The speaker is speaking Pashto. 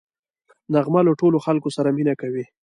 نغمه له ټولو خلکو سره مینه کوي